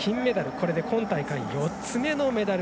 これで今大会４つ目のメダル。